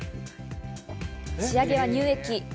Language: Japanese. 仕上げは乳液。